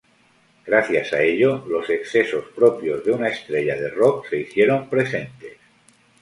Gracias a ello, los excesos propios de una estrella de rock se hicieron presentes.